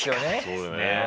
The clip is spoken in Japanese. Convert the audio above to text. そうだよね。